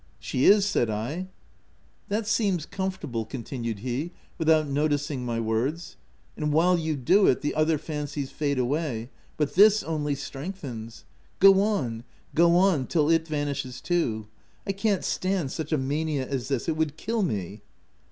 * She is/' said I. tl That seems comfortable," continued he, without noticing my words; "and while you do it, the other fancies fade away — but this only strengthens. Go on — go on, till it vanishes too. I can't stand such a mania as this; it would kill me